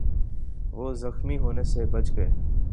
وہ زخمی ہونے سے بچ گئے